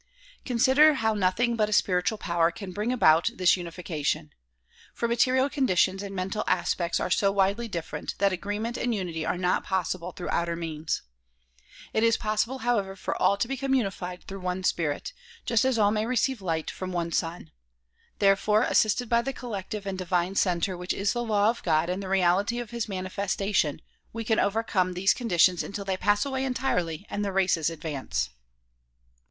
Con sider how nothing but a spiritual power can bring about this uni fication; for material conditions and mental aspects are so widely diilt'erent that agreement and unity are not possible through outer means. It is possible however for all to become unified through one spirit, just as all may receive light from one sun. Therefore assisted by the collective and divine center which is the law of God and the reality of his manifestation, we can overcome these con ditions until they pass away entirely and the races advance.